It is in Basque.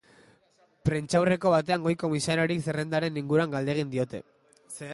Prentsaurreko batean goi-komisarioari zerrendaren inguruan galdegin diote.